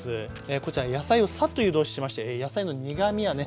こちら野菜をサッと湯通ししまして野菜の苦みやね